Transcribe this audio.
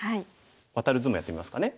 ワタる図もやってみますかね。